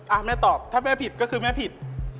อ่ะแม่ตอบถ้าแม่ผิดก็คือแม่ผิด